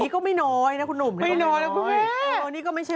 ขอบค่ะ